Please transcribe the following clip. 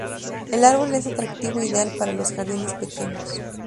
El árbol es atractivo e ideal para los jardines pequeños.